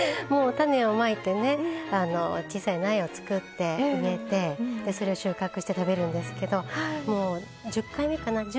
もう種をまいてね小さい苗を作って植えてそれを収穫して食べるんですけどもう１０回目かな